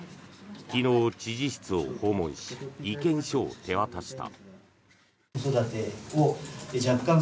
昨日、知事室を訪問し意見書を手渡した。